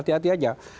kurang hati hati aja